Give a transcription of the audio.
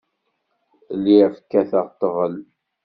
Lliɣ kkateɣ ḍḍbel.